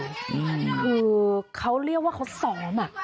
คือเขาเรียกว่าเขาซ้อม